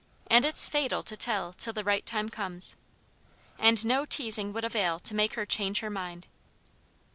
And it's fatal to tell till the right time comes." And no teasing would avail to make her change her mind.